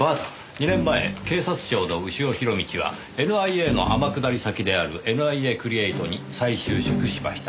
２年前警察庁の潮弘道がＮＩＡの天下り先であるＮＩＡクリエイトに再就職しました。